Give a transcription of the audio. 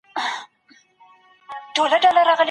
تېنس د مړوندونو د پیاوړتیا او د بدن د انعطاف لپاره غوره دی.